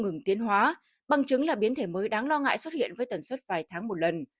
ngừng tiến hóa bằng chứng là biến thể mới đáng lo ngại xuất hiện với tần suất vài tháng một lần